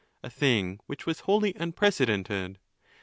—a thing which was wholly unprecedented.